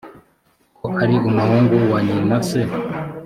ko ari umuhungu wa nyina se